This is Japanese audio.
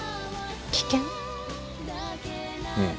うん。